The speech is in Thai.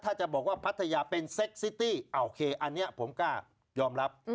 ถ้าจะบอกว่าพัทยาเป็นเซ็กซิตี้โอเคอันนี้ผมกล้ายอมรับ